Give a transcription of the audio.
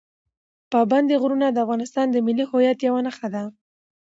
پابندي غرونه د افغانستان د ملي هویت یوه نښه ده.